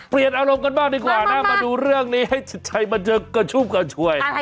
เปลี่ยนอารมณ์กันมากดีกว่านะมาดูเรื่องนี้ให้ชิดใจมาเจอกันชุบกันช่วย